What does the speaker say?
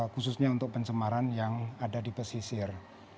khususnya untuk pencemaran yang ada di pesisir